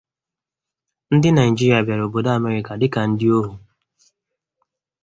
Ndị Nigeria bịara obodo Amerịka dịka ndị ohu